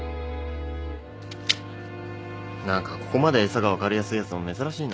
何かここまで餌が分かりやすいやつも珍しいな。